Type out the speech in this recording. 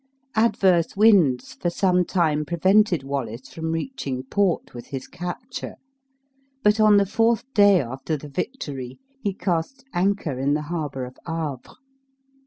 Adverse winds for some time prevented Wallace from reaching port with his capture; but on the fourth day after the victory, he cast anchor in the harbor of Havre.